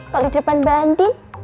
kalau di depan bandit